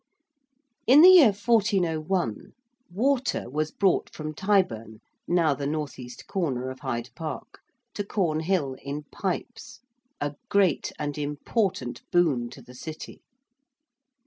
In the year 1401, water was brought from Tyburn (now the N.E. corner of Hyde Park) to Cornhill in pipes, a great and important boon to the City.